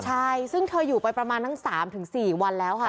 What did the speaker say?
ใช่ซึ่งเธออยู่ไปประมาณทั้ง๓๔วันแล้วค่ะ